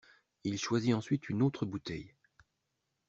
Il choisit ensuite une autre bouteille.